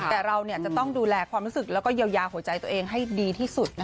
แต่เราจะต้องดูแลความรู้สึกแล้วก็เยียวยาหัวใจตัวเองให้ดีที่สุด